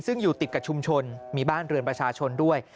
ซึ่งอยู่ติดกับชุมชนมีบ้านเรือนประชาชนด้วย